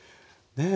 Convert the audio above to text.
ねえ。